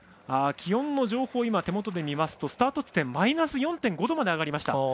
気温の情報を手元で見ますとスタート地点マイナス４．５度まで上がりました。